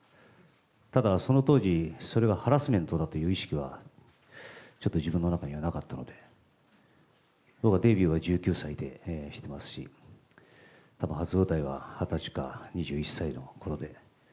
ただ、その当時、それがハラスメントだという意識は、ちょっと自分の中にはなかったので、僕はデビューは１９歳でしてますし、たぶん初舞台は２０歳か２１歳のころで。